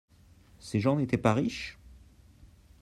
Ces gens n'étaient pas riches ?